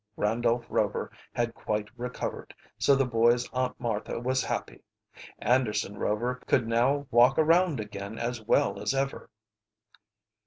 Randolph Rover had quite recovered, so the boys' Aunt Martha was happy. Anderson Rover could now walk around again as well as ever.